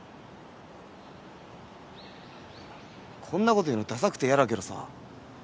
こんなこと言うのださくてやだけどさ。